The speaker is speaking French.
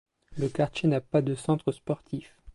Le quartier n'a pas de centre sportif.